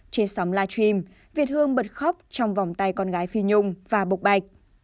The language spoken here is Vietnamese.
trên sóng live stream việt hương bật khóc trong vòng tay con gái phi nhung và bục bạch